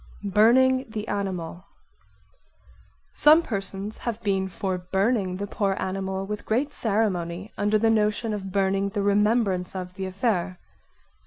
Burning the animal Some persons have been for burning the poor animal with great ceremony under the notion of burning the remembrance of the affair.